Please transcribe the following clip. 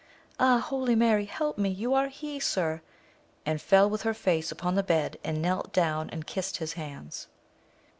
— Ah, Holy Mary, help me ! you are he, sir ! and she fell with her face upon the bed, and knelt down and kist his hands.